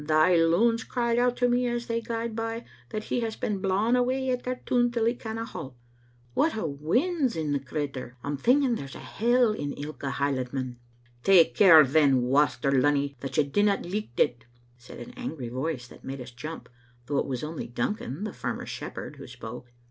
Thae loons cried out to me as they gaed by that he has been blawing awa' at that tune till he canna halt. What a wind's in the crittur! I'm thinking there's a hell in ilka Highlandman." " Take care then, Waster Lunny, that you dinna licht it," said an angry voice that made us jump, though it was only Duncan, the farmer's shepherd, who spoke.